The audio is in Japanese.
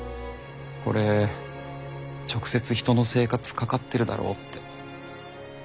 これ直接人の生活かかってるだろうって。